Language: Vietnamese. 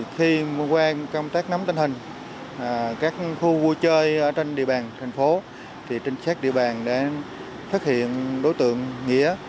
khi qua công tác nắm tên hình các khu vui chơi ở trên địa bàn thành phố trên sát địa bàn đã phát hiện đối tượng nghĩa